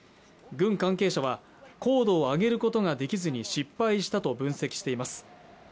軍関係者は高度を上げることができずに失敗したと分析しています